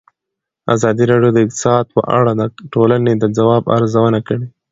ازادي راډیو د اقتصاد په اړه د ټولنې د ځواب ارزونه کړې.